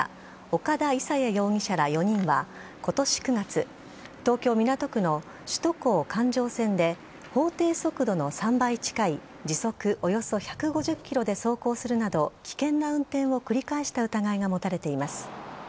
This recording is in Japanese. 岡田勇也容疑者ら４人は今年９月東京・港区の首都高環状線で法定速度の３倍近い時速およそ１５０キロで走行するなど危険な運転を繰り返した疑いが持たれています。